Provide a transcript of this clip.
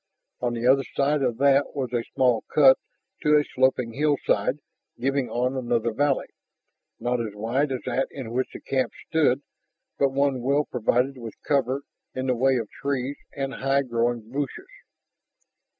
On the other side of that was a small cut to a sloping hillside, giving on another valley, not as wide as that in which the camp stood, but one well provided with cover in the way of trees and high growing bushes.